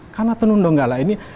karena tenun donggala ini